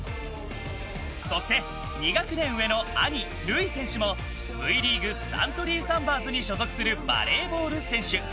そして、２学年上の兄・塁選手もＶリーグサントリーサンバーズに所属するバレーボール選手。